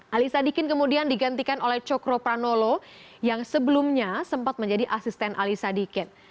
ali sadikin kemudian digantikan oleh cokro pranolo yang sebelumnya sempat menjadi asisten ali sadikin